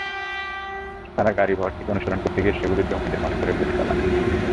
তাঁরা গাড়িবহরটিকে অনুসরণ করতে গিয়ে সেগুলো জঙ্গিদের মনে করে গুলি চালান।